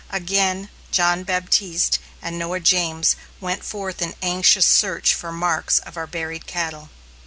Again John Baptiste and Noah James went forth in anxious search for marks of our buried cattle.